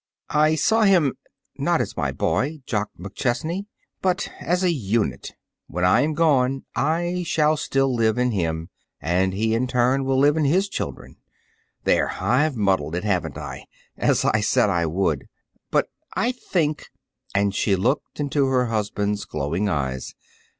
I saw him, not as my boy, Jock McChesney, but as a unit. When I am gone I shall still live in him, and he in turn will live in his children. There! I've muddled it haven't I? as I said I would. But I think" And she looked into her husband's glowing eyes.